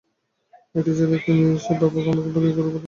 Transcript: একটি ছেলে ছিল, সে আমার বাবাকে গুরু বলে ভক্তি করত।